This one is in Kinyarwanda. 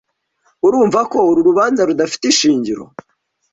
Urumva ko uru rubanza rudafite ishingiro?)